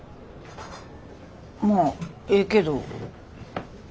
まあええけど。